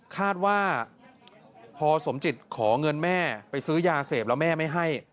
คาดว่าพอสมจิตขอเงินแม่ไปซื้อยาเสพแล้วแม่ไม่ให้